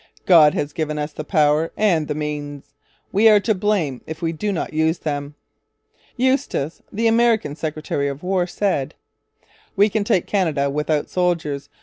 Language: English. God has given us the power and the means. We are to blame if we do not use them.' Eustis, the American Secretary of War, said: 'We can take Canada without soldiers.